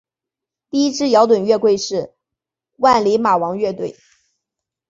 第一支摇滚乐队是万李马王乐队。